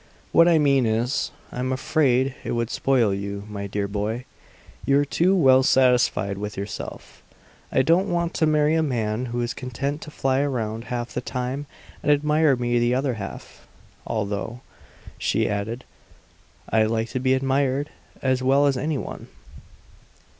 What I mean is, I'm afraid it would spoil you, my dear boy. You're too well satisfied with yourself. I don't want to marry a man who is content to fly around half the time and admire me the other half; although," she added, "I like to be admired as well as any one."